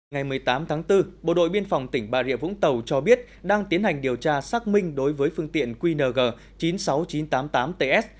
ngày một mươi tám tháng bốn bộ đội biên phòng tỉnh bà rịa vũng tàu cho biết đang tiến hành điều tra xác minh đối với phương tiện qng chín mươi sáu nghìn chín trăm tám mươi tám ts